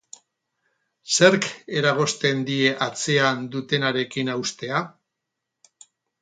Zerk eragozten die atzean dutenarekin haustea?